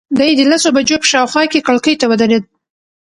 دی د لسو بجو په شاوخوا کې کړکۍ ته ودرېد.